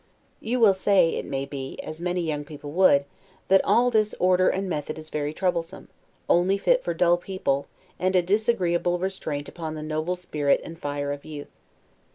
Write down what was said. You will say, it may be, as many young people would, that all this order and method is very troublesome, only fit for dull people, and a disagreeable restraint upon the noble spirit and fire of youth.